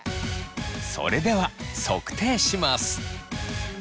それでは測定します。